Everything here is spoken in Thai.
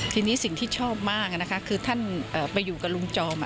ทีนี้สิ่งที่ชอบมากนะคะคือท่านไปอยู่กับลุงจอม